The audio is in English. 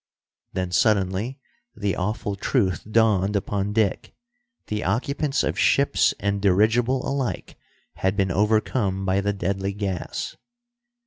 Then suddenly the awful truth dawned upon Dick. The occupants of ships and dirigible alike had been overcome by the deadly gas.